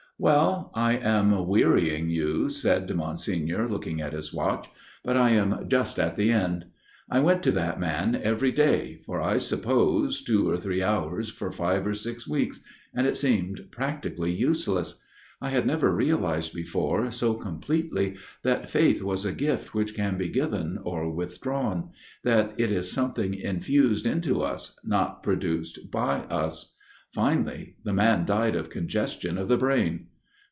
" Well, I am wearying you," said Monsignor, looking at his watch, " but I am just at the end* I went to that man every day for, I suppose, twcj or three hours for five or six weeks, and it seemecm practically useless. I had never realized before' so completely that faith was a gift which can be given or withdrawn ; that it is something infused into us, not produced by us. Finally the man died of congestion of the brain."